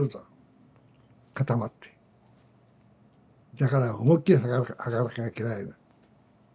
だから思いっきり吐かなきゃいけないの。